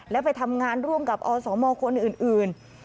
แล้วไปทำงานร่วมกับอสมคนอื่น